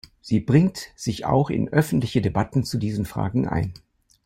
Sie bringt sich auch in öffentliche Debatten zu diesen Fragen ein.